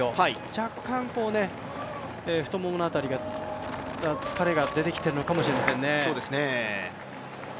若干、太ももの辺りが、疲れが出てきてるのかもしれませんね。